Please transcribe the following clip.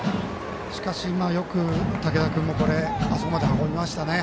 しかし、よく武田君もあそこまで運びましたね。